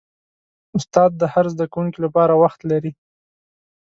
استاد د هر زده کوونکي لپاره وخت لري.